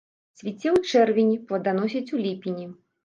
Цвіце ў чэрвені, пладаносіць у ліпені.